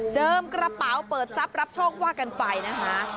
เจิมกระเป๋าเปิดจับรับโชคว่ากันไปนะคะ